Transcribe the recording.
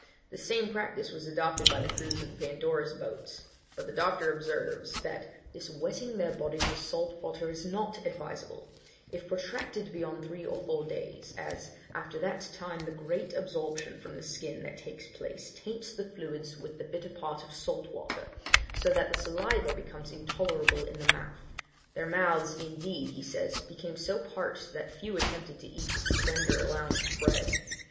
The same practice was adopted by the crews of the Pandora's boats; but the doctor observes, that 'this wetting their bodies with salt water is not advisable, if protracted beyond three or four days, as, after that time, the great absorption from the skin that takes place, taints the fluids with the bitter part of salt water, so that the saliva becomes intolerable in the mouth.' Their mouths, indeed, he says, became so parched, that few attempted to eat the slender allowance of bread.